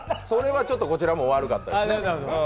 それはちょっとこちらも悪かったですね。